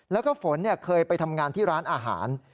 แล้วก็ฝนเคยไปทำงานที่ร้านอาหาร